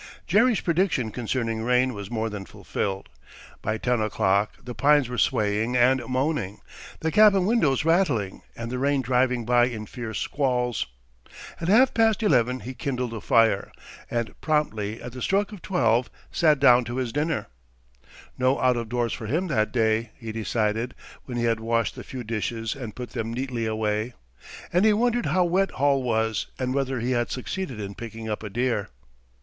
Jerry's prediction concerning rain was more than fulfilled. By ten o'clock the pines were swaying and moaning, the cabin windows rattling, and the rain driving by in fierce squalls. At half past eleven he kindled a fire, and promptly at the stroke of twelve sat down to his dinner. No out of doors for him that day, he decided, when he had washed the few dishes and put them neatly away; and he wondered how wet Hall was and whether he had succeeded in picking up a deer.